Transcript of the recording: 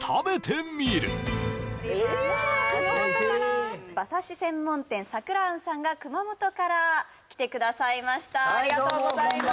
嬉しい馬刺し専門店桜庵さんが熊本から来てくださいましたありがとうございます